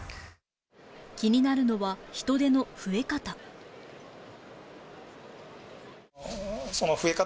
気になるのは、人出の増え方。